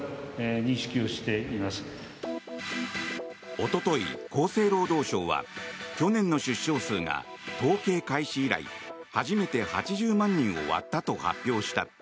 一昨日、厚生労働省は去年の出生数が統計開始以来、初めて８０万人を割ったと発表した。